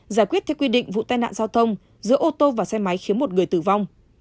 giải quyết theo quy định vụ tai nạn giao thông giữa ô tô và xe máy khiến một người tử vong